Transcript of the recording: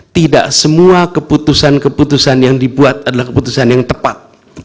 tidak semua keputusan keputusan yang dibuat adalah keputusan yang tepat